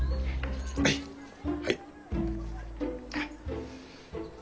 はいはい。